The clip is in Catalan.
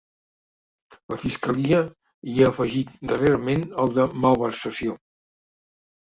La fiscalia hi ha afegit darrerament el de malversació.